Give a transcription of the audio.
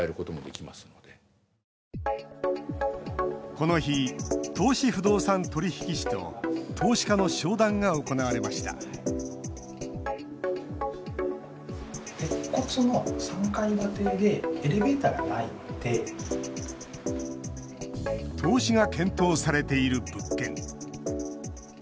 この日、投資不動産取引士と投資家の商談が行われました投資が検討されている物件。